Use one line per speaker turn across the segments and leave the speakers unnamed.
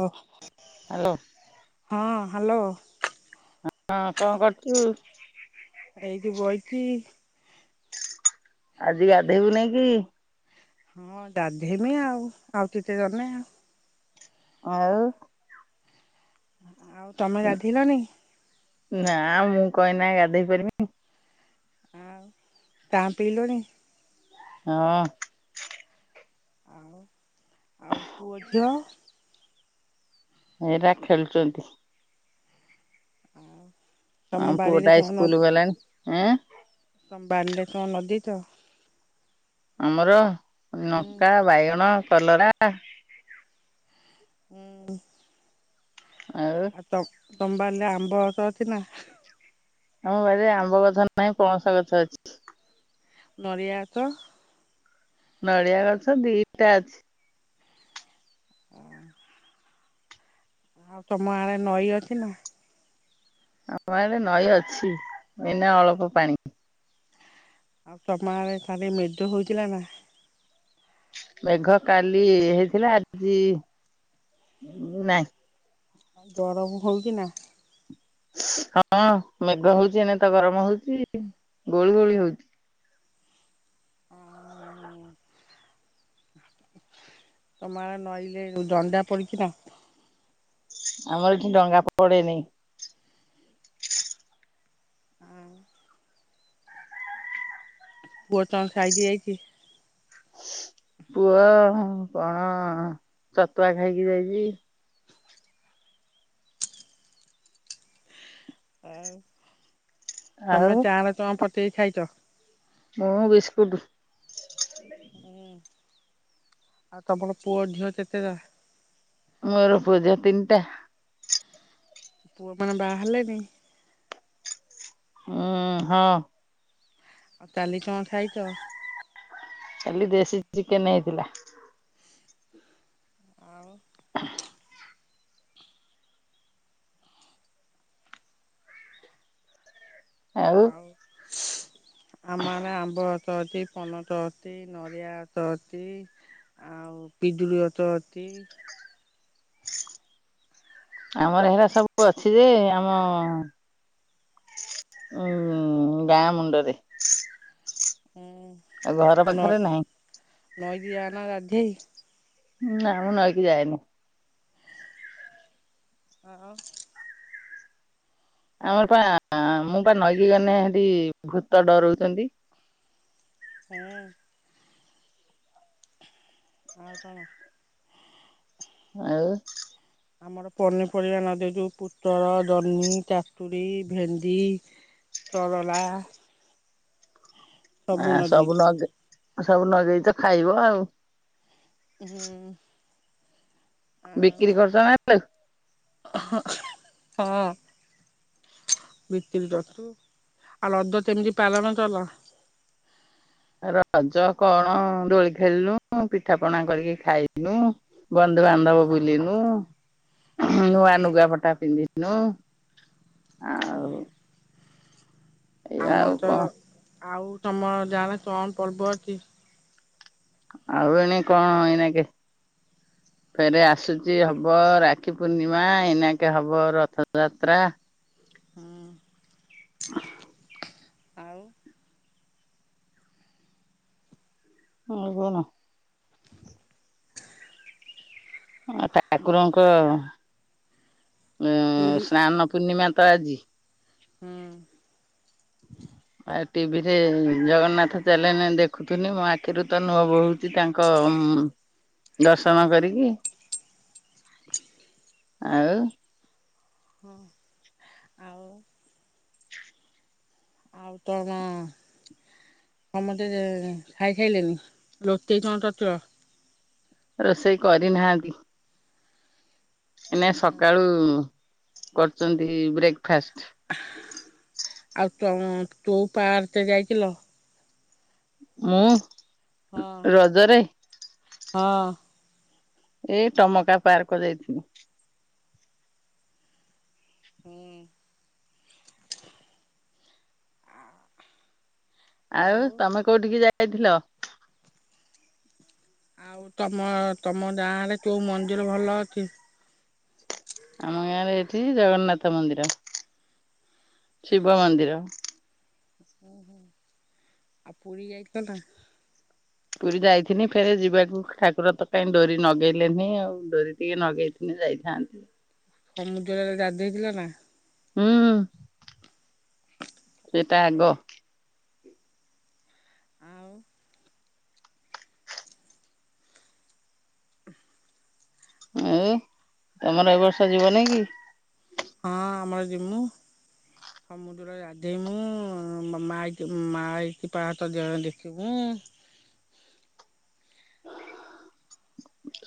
ଓ
hello.
Hello.
ହଁ କଁ କରୁଚୁ?
ଆରେ ଏଇଟି ବଇଚି।
ଆଜି ଗାଧେଇବୁ ନେଇଁ କି?
ହଁ ଗାଧେଇମି ଆଉ ଆଉ ଟିକେ ଗନେ ଆଉ।
ଆଉ
ଆଉ ତମେ ଗାଧେଇଲଣି।
ନା ମୁଁ କଁ ଏଇନା ଗାଧେଇ ପାରିମି।
ଆଉ ଚାହା ପିଇଲୁଣି।
ହଁ।
ଆଉ ଆଉ ପୁଅ ଝିଅ
ଏଇରା ଖେଳୁଚନ୍ତି।
[inaudible]
ଆମ
ବାରିରେ
ପୁଅଟା
କଣ
ଇସ୍କୁଲ ଗଲାଣି ଏଁ
ତମ ବାରିଲେ କଁ ନଗେଇଚ
ଆମର
ଉଁ
ନଙ୍କା ବାଇଗଣ କଲରା
ଉଁ। ଆଉ ତମ୍ ତମ ବାଲିରେ ଆମ୍ବ ଗଛ ଅଛି ନା।
ଆମ ବାରିରେ ଆମ୍ବ ଗଛ ନାହିଁ ପଣସ ଗଛ ଅଛି।
ନରିଆ ଗଛ
ନଡ଼ିଆ ଗଛ ଦିଟା ଅଛି।
ଉଁ। ଆଉ ତମ ଆଡେ ନଈ ଅଛି ନା।
ଆମ ଆଡେ ନଈ ଅଛି ଏଇନା ଅଳପ ପାଣି।
ଆଉ, ତମଆରେ ଖାଲି ମିଦୁ ହୋଇଥିଲା ନା?
ମେଘ କାଲି ହେଇଥିଲା, ଆଜି ନାଇଁ।
ଜରବୁ ହଉ କିି ନା
ହଁ, ମେଘ ହଉଛି, ଏଣେ ତ ଗରମ ହଉଚି। ଗୁଳି ଗୁଳି ହଉଛି।
ହଁ ତମଆରେ ନଈଲେ ଦଣ୍ଡା ପଡଛିି ନା?
ଆମର ଏଠି ଡଙ୍ଗା ପଡେନି।
ନା? ପୁଅ ତଂ ଖାଇକି ଯାଇଛି?
ପୁଅ କଣ ଛତୁଆ ଖାଇକି ଯାଇଛି।
ତମେ,
ଆଉ
ଚାଁରେ ଚୁଁଆ ପଟେଇ ଖାଇଚ।
ମୁଁ ବିସ୍କୁଟୁ।
ହୁଁ, ଆଉ ତମର ପୁଅ ଝିଅ କେତେତା?
ମୋର ପୂଜା ତିଣ୍ଟା
ପୁଅ ମାନେ ବାହାହେଲେନି?
ହୁଁ, ହଁ।
ଆଉ କାଲିକଁ ଖାଇଚ?
କାଲି ଦେଶୀ ଚିକେନ୍ ହେଇଥିଲା।
ଆଉ, ଆଉ, ଆମ ଆରେ ଆମ୍ବ ଅତ ଅତି, ପନତ ଅତି, ନରିଆ ଅତ ଅତି। ଆଉ ପିଜୁଳି ଅଚ ଅଚି।
ଆମର ହେଲା ସବୁ ଅଛି, ଯେ ଆମ ହୁଁ, ଗାଁ ମୁଁଣ୍ଡରେ ଆଉ, ଘର ପାଖରେ ନାହିଁ।
ଦି ଆଣ ଗାଧେଇ
ନା, ମୁଁ ନଈକି ଯାଏନି।
ଆ ଉ।
ଆମର ପା, ମୁଁ ପା ନଈକି ଗନେ ହେଠି ଭୂତ ଡରଉଛନ୍ତି।
ହୁଁ। ଆଉ କଣ?
ଆଉ।
ଆମର ପନିପରିବା ନଦୀ ଯୋଉ ପୁତଳ, ଜହ୍ନି ଚାଷୁ ପୀ, ଭେଣ୍ଡି, ତରଲା।
ଆ ସବୁ ନଗେ ସବୁ ନଗେଇ ତ ଖାଇବ ଆଉ।
ହୁଁ। ଆଉ
ବିକ୍ରି କରଛ ନାଲୋ?
ହଁ। ଭିତିରି ତରୁଥୁଲୁ। ଆଉ ରଦ ତେମିତି ପାଲନ ତଲା?
ରଜ କଣ? ଦୋଳି ଖେଳିଲୁ, ପିଠା ପଣା କରିକି ଖାଇନୁ, ବ ଏ ବାଣ୍ଡବ ବୁଲିନୁ।
ହୁଁ।
ନୂଆ ନୁଗାପଟା ପିନ୍ଧିନୁ। ଆଉ ଏଇ ଆଉ
ଆମର ତ
କଣ
ଆଉ ତମର ଜା ତଣ ପର୍ବ ଅଛି?
ଆଉ ଏଣେ କଣ ଏଇନା କି
ହ
ଫେରେ ଆସୁଚି ହବ, ରାକ୍ଷୀ ପୂର୍ଣ୍ଣିମା ଏଇନାକେ ହବ, ରଥଯାତ୍ରା।
ହୁଁ। ଆଉ
ଆଉ କଣ? ଠାକୁରଙ୍କ ଉ
ପୁରୀ
ସ୍ନାନ ପୂର୍ଣ୍ଣିମା। ତ ଆଜି।
ହୁଁ।
ଆଉ ଟିଭିରେ ଜଗନ୍ନାଥ ଚାଲେନେ ଦେଖୁଥିନି ମୋ ଆଖିରୁ ତ ନୁହଁ ବୋହୁଛି ତାଙ୍କ ଦର୍ଶନ କରିକି।
[inaudible]
ଆଉ
ହଁ ଆଉ ଆଉତ ଗାଁ ସମତେ ଖାଇ ଖାଇସାଇଲେଣି?
ରୋଷେଇ କରିନାହାନ୍ତି। ଏଇନା ସକାଳୁ କରୁଛନ୍ତି ବ୍ରେକ୍ଫାଷ୍ଟ।
ତମେ କୋଉ ପାର୍କ ଯାଇଥିଲ।
ମୁଁ
ହଁ
ରଜରେ
ହଁ।
ଏଇ ଟମକା ପାର୍କ ଯାଇଥିନି।
ହୁଁ।
ଆଉ ତମେ କୋଉଠିକି ଯାଇଥିଲ?
ଆଉ ତମ ତମ ଗାଁ ରେ କୋଉ ମନ୍ଦିର ଭଲ ଅଛି?
ଆମ ଗାଁରେ ଏଠି ଜଗନ୍ନାଥ ମନ୍ଦିର। ଶିବ ମନ୍ଦିର।
ଓହୋ ଆଉ ପୁରି ଜାଈ ଥିଲନା?
ପୁରୀ ଯାଇଥିନି ଫେରେ ଯିବାକୁ ଠାକୁର ତ କାଇ ଡୋରି ନଗେଇଲେନିଁ ଆଉ ଡୋରି ଟିକେ ନଗେଇଥିଲେ ଯାଇଥାନ୍ତି।
ସମୁଦ୍ରରେ ଗାଧେଇ ଥିଲା ନା?
ହୁଁ। ସେଟା ଆଗ
ଆଉ
ଆଉ ତମର ଏ ବର୍ଷ ଯିବନି କି?
ହଁ ଆମର ଜିମୁ। ସମୁଦ୍ର ରେ ଗାଧେଇ ମୁୁ ମା ମାଇସି ପାହାଚ ଦେଖିମୁଁ। [unintelligible]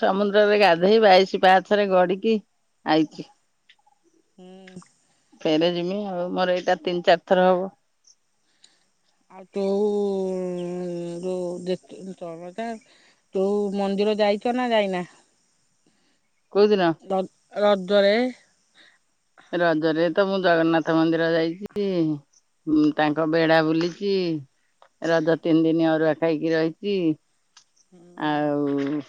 ସମୁଦ୍ରରେ ଗାଧୋଇ ବାଇଶି ପାହାଚରେ ଗଡ଼ିକି ଆଇଛି।
ହୁଁ।
ଫେରେ ଯିମି ଆଉ ମୋର ଏଇଟା ତିନି ଚାରି ଥର ହବ।
ତୋଉ [unintelligible] ଯୋଉ ମନ୍ଦିର ଯାଇଛ ନା ଯାଇନା?
କୋଉଦିନ?
ର ରଦରେ।
ରଜରେ ତ ମୁଁ ଜଗନ୍ନାଥ ମନ୍ଦିର ଯାଇଛି। ହୁଁ ତାଙ୍କ ବେଢ଼ା ବୁଲିଛି ରଜ ତିନି ଦିନି ଅରୁଆ ଖାଇକି ରହିଛି। ଆଉ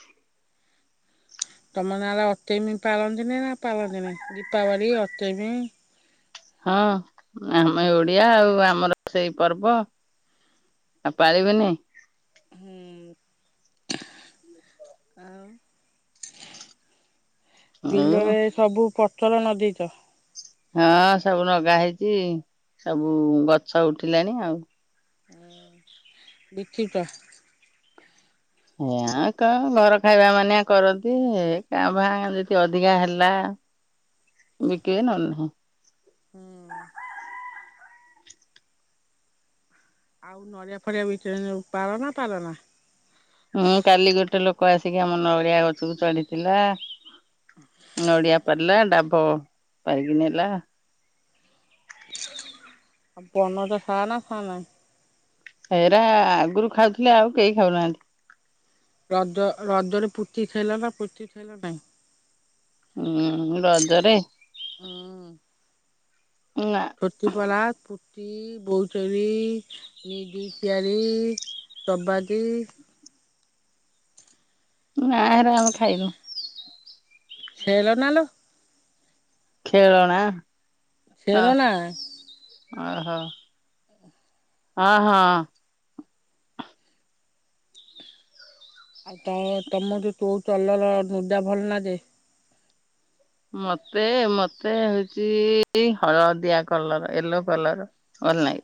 ତମ ଗାଁ ରେ ଅତମି ପାଳନ୍ତିନି ନା ପାଳନ୍ତିନି ଦୀପାବଳି ଅତମି।
ହଁ ଆମେ ଓଡିଆ ଆଉ ଆମର ସେଇ ପର୍ବ ଆଉ ପାଳିବେନି।
ହୁଁ ଆଉ
ଆଉ
ବିଲରେ ସବୁ ଫଚର ନଦେଇଛ।
ହଁ ସବୁ ଲଗା ହେଇଛି ସବୁ ଗଛ ଉଠିଲାଣି ଆଉ।
[unintelligible]
ଏଆ କା ଘର ଖାଇବା ମାନିଆ କରନ୍ତି ଏଇ କାଁ ଭା ଏମତୀ ଅଧିକା ହେଲା। ବିକିବେ ନହେଲେ ନାହିଁ।
ହୁଁ। ଆଉ ନରିଆ ଫରିଆ ବିଛ କି ପାର ନା ପାରନା।
କ ଆସିକି ଆମ ନରିଆ ଗଛକୁ ଚଢିଥିଲା। ନଡିଆ ପାରିଲା ଡାବ ପାରିକି ନେଲା।
[unintelligible]
ଏରା ଆଗରୁ ଖାଉଥିଲେ ଆଉ କେହି ଖାଉନାହାନ୍ତି।
ରଜ ରଜରେ ପୂତି ଥିଲନା ପୁତି ଥିଲ ନାଇ।
ହୁଁ ରଜରେ।
ହଁ।
ନା
ତୀ ପରା, ପୁତି, ବୋଇଚରୀ, ନିଜୁ ଚିଆରି। ସବାଜିି।
[unintelligible]
ସେଇଲ ନଲ।
ଖେଳଣା। ଅ
ସେର ନା।
ଓହୋ ହ ହଁ।
ଆଉ ତ ତମର ଯୋଉ ତୋଉ ଚଲର ନୁଦା ଭଲ ନା ଯେ।
ମତେ ମତେ ହଉଚି ହଳଦିଆ କଲର ୟେଲୋ କଲର। ଅନଲାଇନ୍।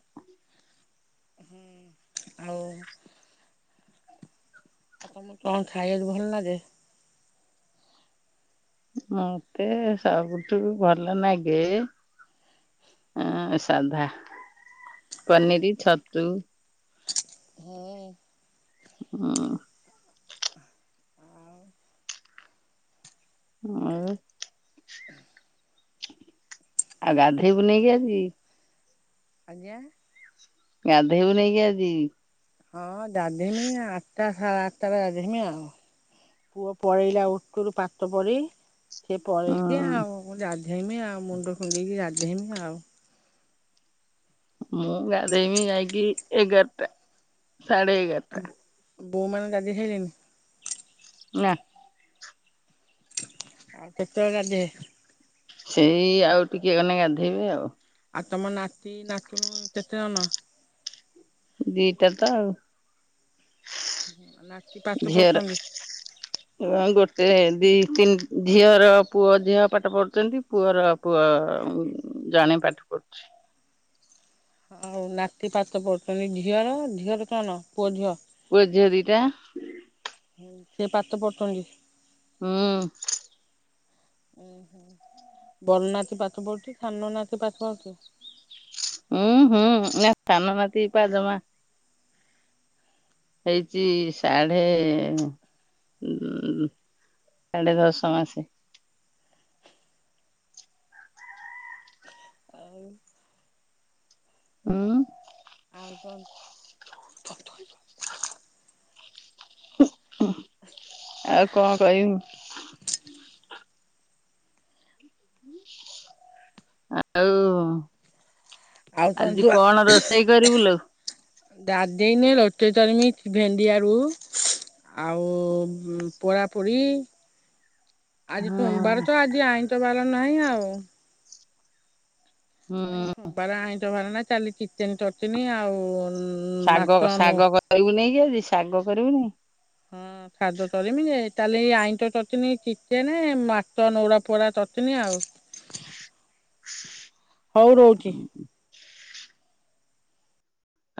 ଆଉ ଆଉ ତମକୁ କଣ ଖାଇବାକୁ ଭଲ ଲାଗେ?
ମତେ ସବୁଠୁ ଭଲ ନାଗେ। ହଁ ସାଧା ପନିର, ଛତୁ।
ହୁଁ।
ହୁଁ। [unintelligible] ଆଉ ଗାଧେଇବୁ ନାଇକି ଆଜି।
ଆଜ୍ଞା।
ଗାଧେଇବୁ ନେଇକି ଆଜି।
ହଁ ଗାଧେଇ ଆଉ ଆଠଟା ସାଢେ ଆଠଟା ବେ ଗାଧେଇମି ଆଉ। ପୁଅ ପଳେଇଲା ଉକୁଲୁ ପାଠ ପରି। ସିଏ ପଳେଇଚି
ଉଁ
ଆଉ ଯାଧେଇମି ଆଉ ମୁଣ୍ଡ ଖୁଣ୍ଡେଇକି ଗାଧେଇମି ଆଉ।
ମୁଁ ଗାଧେଇବି ଯାଇକି ଏଗାରଟା ସାଢେ ଏଗାରଟା।
ବୋଉମାନେ ଗାଧେଇ ସାଇଲେଣିି।
ନା।
ଆଉ କେତେବେଳେ ଗାଧେଇବେ?
ସେଇ ଆଉ ଟିକେ ଗଲେ ଗାଧେଇବି ଆଉ।
ଆଉ ତମ ନାତି ନାତୁଣି କେତେ ଜଣ?
ଦିଇଟା ତ ଆଉ।
ନାତି ପାଠ
ଝିଅର
ପଢୁଛନ୍ତି।
ଗୋଟେ ଦି ଝିଅର ପୁଅ ଝିଅ ପାଠ ପଢ଼ୁଛନ୍ତି ପୁଅର ପୁଅ ଜଣେ ପାଠ ଅଛି।
ଆଉ ନାତି ପାଠ ପଡୁଛନ୍ତି ଝିଅର ଝିଅର କଣ ପୁଅ ଝିଅ?
ପୁଅ ଝିଅ ଦିଟା।
ସେ ପାଠ ପଢୁଛନ୍ତି।
ହୁଁ।
ଉୁଁ ହୁଁ। ବଡ଼ ନାତି ପାଠ ପଢୁଛି ଛାନ ନାତି ପାତ ପରଛି।
ଉଁ ହୁଁ ନା ସାନ ନାତି ପା ଜମା ହେଇଚି ସାଢେ ଉ ସାଢେ ଦଶ ମାସେ। ଉଁ।
ଆଉ କଣ?
ଉଁ ଆଉ କଣ କହିବୁ? ଆଉ
ଆଉ
ଆଜି କଣ ରୋଷେଇ କରିବୁ ଲୋ?
ଗାଦେଇନି ରୁଟି କରିମି ଭେଣ୍ଡି ଆଳୁ ଆଉ ଉଁ ପଢ଼ାପଢ଼ି। ଆଜି
ହୁଁ
ସୋମବାର ତ ଆଜି ଆଇଁଷ ବାର ନାହିଁ ଆଉ।
ହୁଁ
ଆଜି ସୋମବାର ଆଇଁଷ ବାର ନାହିଁ କାଲି ଚିକେନ ଚଟନୀ ଆଉ
ଶାଗ
ମାଛ
କ
ନୁ
ଶାଗ କରିବୁନେଇ କି ଆଜି ଶାଗ କରିବୁନି।
ହୁଁ ଖାଦ କରିମି ଯେ। ତାହେଲେ ଏଇ ଆଇଁଷ ଚଟିନୀ ଚିକେନ ମାଛ ନଉରା ପଡା ଚଟିନୀ ଆଉ। ହଉ ରହୁଛି।